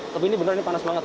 tapi ini benar ini panas banget